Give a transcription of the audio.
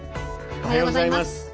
おはようございます。